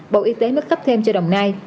bộ y tế mới khắp thêm cho đồng nai